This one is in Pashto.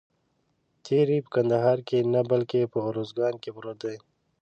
تیری په کندهار کې نه بلکې په اوروزګان کې پروت دی.